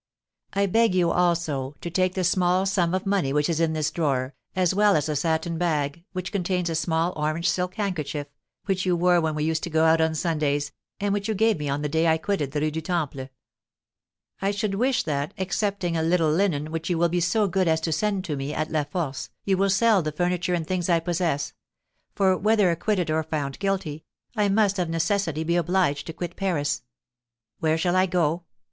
I beg you, also, to take the small sum of money which is in this drawer, as well as a satin bag, which contains a small orange silk handkerchief, which you wore when we used to go out on Sundays, and which you gave me on the day I quitted the Rue du Temple. I should wish that, excepting a little linen which you will be so good as send to me at La Force, you would sell the furniture and things I possess; for, whether acquitted or found guilty, I must of necessity be obliged to quit Paris. Where shall I go?